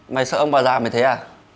mày sợ ông bà già mày thế à